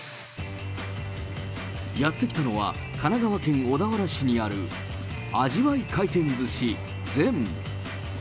やって来たのは、神奈川県小田原市にある、あじわい回転寿司禅。